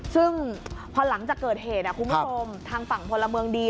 ซึ่งพอหลังจากเกิดเหตุคุณผู้ชมทางฝั่งพลเมืองดี